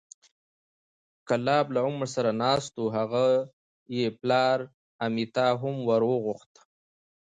کلاب له عمر سره ناست و هغه یې پلار امیة هم وورغوښت،